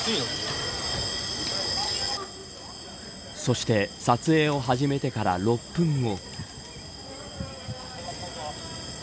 そして撮影を始めてから６分後。